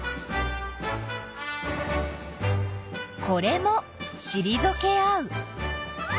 これもしりぞけ合う。